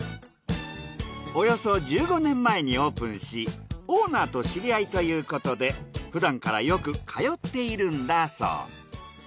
およそ１５年前にオープンしオーナーと知り合いということでふだんからよく通っているんだそう。